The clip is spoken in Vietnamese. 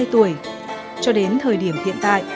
từ năm một mươi hai tuổi cho đến thời điểm hiện tại